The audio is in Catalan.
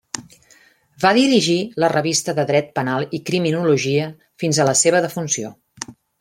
Va dirigir la Revista de Dret Penal i Criminologia fins a la seva defunció.